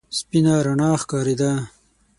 سپينه رڼا ښکارېده.